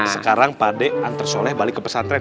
sekarang pade antar soleh balik ke pesantren